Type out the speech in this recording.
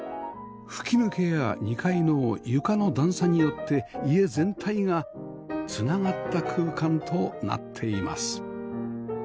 吹き抜けや２階の床の段差によって家全体がつながった空間となっています